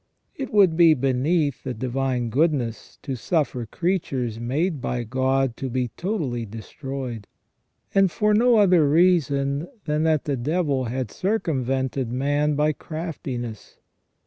It would be beneath the Divine Goodness to suffer creatures made by God to be totally destroyed, and for no other reason than that the devil had circumvented man by craftiness.